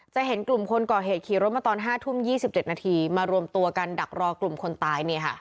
จะเห็นกลุ่มคนก่อเหตุขี่รถมาตอนห้าทุ่มยี่สิบเจ็ดนาทีมารวมตัวกันดักรอกลุ่มคนตายเนี่ยค่ะ